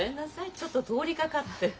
ちょっと通りかかって。